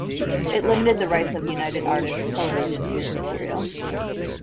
It limited the rights of United Artists Television to his material.